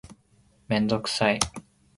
めんどくさい